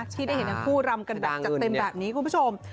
ที่ได้เห็นทั้งคู่รำกันแบบจัดเต็มแบบนี้คุณผู้ชม